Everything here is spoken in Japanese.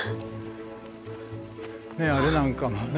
ねえあれなんかもね。